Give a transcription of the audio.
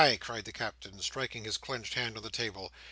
cried the Captain, striking his clenched hand on the table.